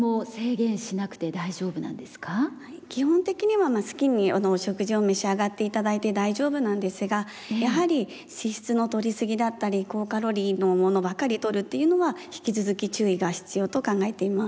基本的には好きに食事を召し上がって頂いて大丈夫なんですがやはり脂質のとり過ぎだったり高カロリーのものばかりとるっていうのは引き続き注意が必要と考えています。